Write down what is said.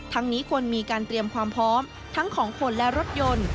นี้ควรมีการเตรียมความพร้อมทั้งของคนและรถยนต์